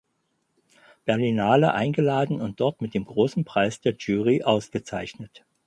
Berlinale eingeladen und dort mit dem Großen Preis der Jury ausgezeichnet.